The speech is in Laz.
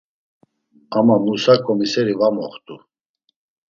Ama Musa ǩomiseri va moxt̆u.